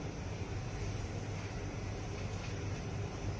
ติดลูกคลุม